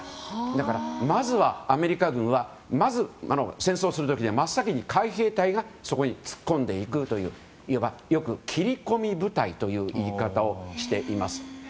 だからアメリカ軍はまず戦争する時に真っ先に海兵隊がそこに突っ込んでいくというよく切り込み部隊という言い方をしています。